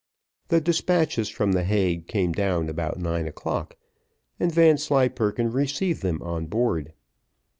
The despatches from the Hague came down about nine o'clock, and Vanslyperken received them on board.